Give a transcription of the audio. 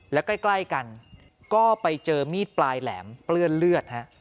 และใกล้กันก็ไปเจอมีดปลายแหลมเปื้อนเลือดฮะ